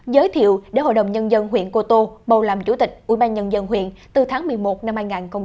giới thiệu để hội đồng nhân dân huyện cô tô bầu làm chủ tịch ubnd huyện từ tháng một mươi một năm hai nghìn hai mươi